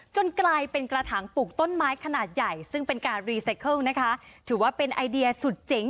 กลายเป็นกระถางปลูกต้นไม้ขนาดใหญ่ซึ่งเป็นการรีไซเคิลนะคะถือว่าเป็นไอเดียสุดเจ๋ง